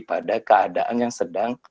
pada keadaan yang sedang